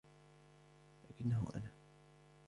لَكِنَّهُ أَنَا